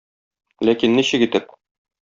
Ләкин ничек итеп?